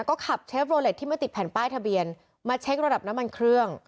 ก็ขับเชฟโรเล็ตที่ไม่ติดแผ่นป้ายทะเบียนมาเช็คระดับน้ำมันเครื่อง